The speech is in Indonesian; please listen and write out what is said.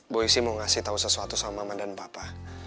bu isi mau ngasih tau sesuatu sama mama dan papa